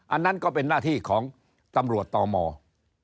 อันนั้นก็เป็นหน้าที่ของตำรวจต่อมอ